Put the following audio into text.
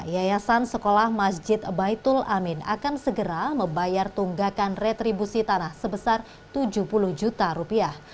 yayasan sekolah masjid baitul amin akan segera membayar tunggakan retribusi tanah sebesar tujuh puluh juta rupiah